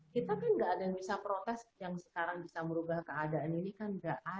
kita kan nggak ada yang bisa protes yang sekarang bisa merubah keadaan ini kan nggak ada